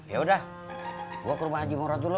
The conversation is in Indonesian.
ya udah gua ke rumah haji murad dulu